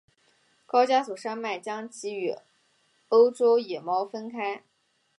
高加索山脉将其与欧洲野猫分开。